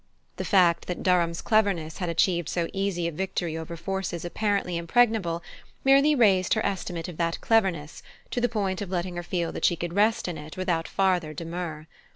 The fact that Durham's cleverness had achieved so easy a victory over forces apparently impregnable, merely raised her estimate of that cleverness to the point of letting her feel that she could rest in it without farther demur.